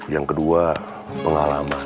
yang kedua pengalaman